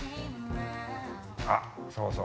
あっそうそう